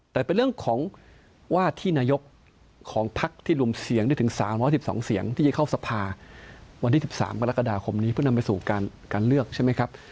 แต่เป็นเรื่องของว่าที่นายกของพักที่รวมเสียงได้ถึง๓๑๒เสียงที่จะเข้าสภาวันที่๑๓กรกฎาคมนี้เพื่อนำไปสู่การเลือกใช่ไหมครับ